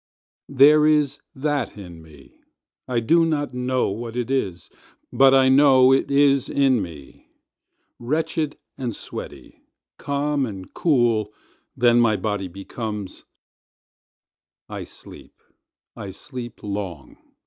50There is that in me—I do not know what it is—but I know it is in me. Wrench'd and sweaty—calm and cool then my body becomes;I sleep—I sleep long.